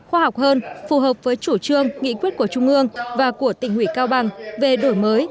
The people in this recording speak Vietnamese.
khoa học hơn phù hợp với chủ trương nghị quyết của trung ương và của tỉnh hủy cao bằng về đổi mới